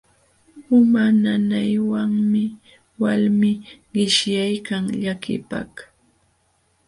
Uma nanaywanmi walmii qishyaykan llakiypaq.